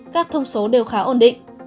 các thông số đều khá ổn định